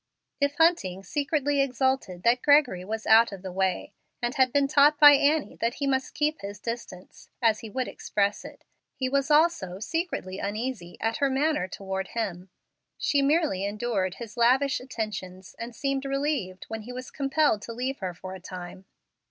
If Hunting secretly exulted that Gregory was out of the way, and had been taught by Annie that he must keep his distance, as he would express it, he was also secretly uneasy at her manner toward him. She merely endured his lavish attentions, and seemed relieved when he was compelled to leave her for a time.